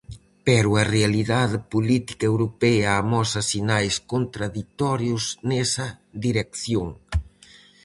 Pero a realidade política europea amosa sinais contraditorios nesa dirección.